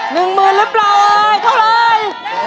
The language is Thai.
หนึ่งหมื่นหรือเปล่าเท่าไร